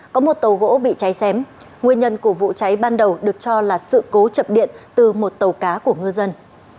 có một tàu gỗ bị cháy xém nguyên nhân của vụ cháy ban đầu được cho là sự cố chập điện từ một tàu cá của ngư dân